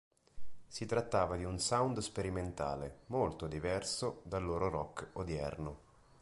Si trattava di un sound sperimentale, molto diverso dal loro rock odierno.